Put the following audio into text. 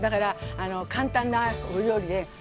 簡単なお料理でね。